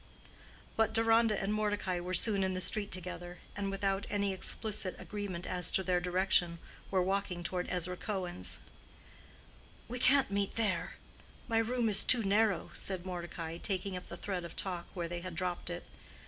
But Deronda and Mordecai were soon in the street together, and without any explicit agreement as to their direction, were walking toward Ezra Cohen's. "We can't meet there: my room is too narrow," said Mordecai, taking up the thread of talk where they had dropped it.